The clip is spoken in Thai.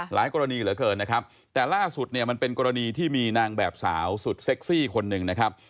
กรณีเหลือเกินนะครับแต่ล่าสุดเนี่ยมันเป็นกรณีที่มีนางแบบสาวสุดเซ็กซี่คนหนึ่งนะครับ